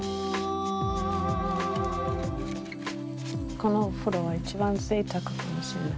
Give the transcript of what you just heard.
このお風呂は一番贅沢かもしれない。